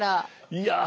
いや！